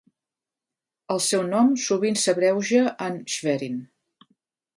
El seu nom sovint s'abreuja en Schwerin.